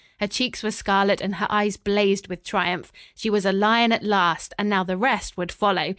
Her cheeks were scarlet and her eyes blazed with triumph. She was a lion at last, and now the rest would follow.